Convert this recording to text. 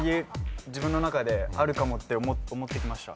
自分の中であるかもって思ってきました。